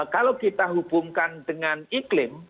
kalau kita hubungkan dengan iklim